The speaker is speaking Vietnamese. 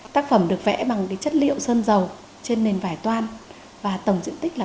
tác phẩm được vẽ bằng chất liệu sơn dầu trên nền vải toan và tầng diện tích là ba hai trăm hai mươi năm m hai